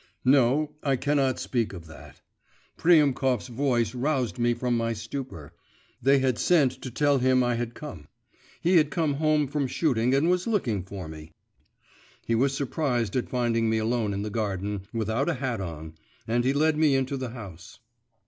… No, I cannot speak of that. Priemkov's voice roused me from my stupor; they had sent to tell him I had come: he had come home from shooting and was looking for me. He was surprised at finding me alone in the garden, without a hat on, and he led me into the house.